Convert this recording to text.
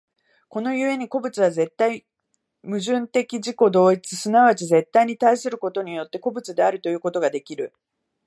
この故に個物は絶対矛盾的自己同一、即ち絶対に対することによって、個物であるということができる。